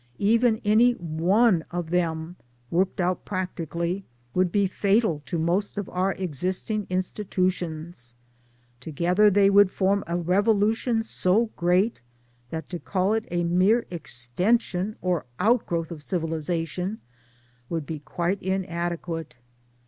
Even any one of them, worked out practically, would be fatal to most of our exist ing institutions. Together they would form a revo lution so great that to call it a mere extension or outgrowth of Civilization would be quite inadequate.